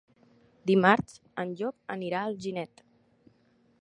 Dimarts en Llop anirà a Alginet.